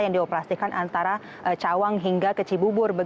yang dioperasikan antara cawang hingga ke cibubur